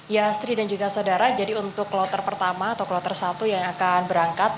ya sri dan juga saudara jadi untuk kloter i yang akan berangkat